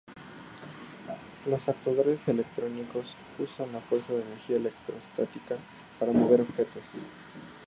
Los actuadores electrostáticos usan la fuerza de la energía electrostática para mover objetos.